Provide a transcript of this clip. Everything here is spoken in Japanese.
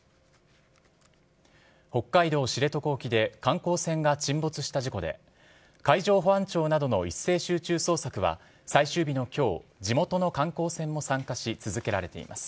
北海道知床沖で、観光船が沈没した事故で、海上保安庁などの一斉集中捜索は最終日のきょう、地元の観光船も参加し、続けられています。